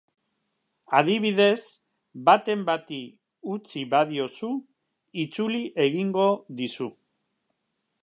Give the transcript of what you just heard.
Adibidez, baten bati utzi badiozu, itzuli egingo dizu.